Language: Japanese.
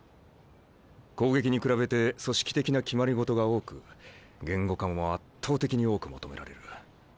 攻撃に比べて組織的な決まり事が多く言語化も圧倒的に多く求められる。